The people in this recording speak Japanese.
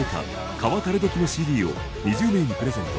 「彼は誰どき」のＣＤを２０名にプレゼント。